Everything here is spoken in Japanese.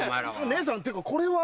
姉さんていうかこれは？